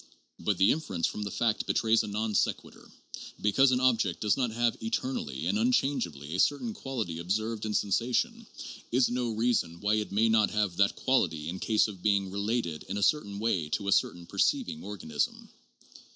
But the inference from that fact betrays a non sequitur. Because an object does not have eternally and unchangeably a cer tain quality observed in sensation, is no reason why it may not have that quality in case of being related in a certain way to a certain perceiving organism.